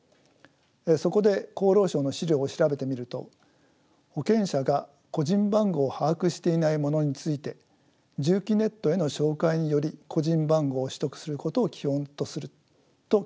そこで厚労省の資料を調べてみると保険者が個人番号を把握していない者について住基ネットへの照会により個人番号を取得することを基本とすると記載されていました。